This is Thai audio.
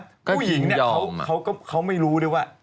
ก็ยินยอมอะผู้หญิงเนี่ยเขาไม่รู้เลยว่า